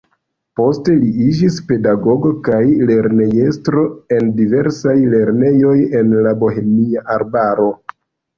Poste li iĝis pedagogo kaj lernejestro en diversaj lernejoj en la Bohemia arbaro.